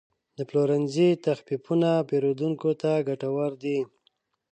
د پلورنځي تخفیفونه پیرودونکو ته ګټور دي.